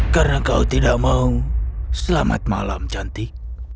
karena kau tidak mau selamat malam cantik